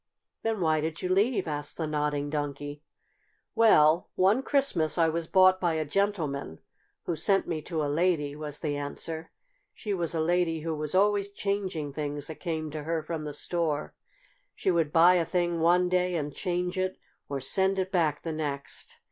"Then why did you leave?" asked the Nodding Donkey. "Well, one Christmas I was bought by a gentleman who sent me to a lady," was the answer. "She was a lady who was always changing things that came to her from the store. She would buy a thing one day and change it, or send it back, the next.